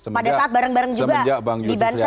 pada saat bareng bareng juga di banser